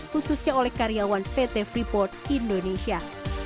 khususnya oleh karyawan pt freeport indonesia